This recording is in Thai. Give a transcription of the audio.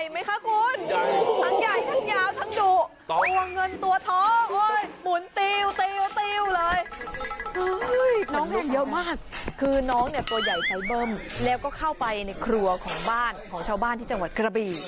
มันบุกเข้ามามาที่ไหนยังไง